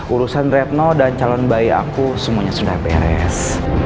urusan retno dan calon bayi aku semuanya sudah beres